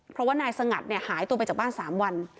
เพราะว่านายสงัดเนี่ยหายตัวไปจากบ้าน๓วัน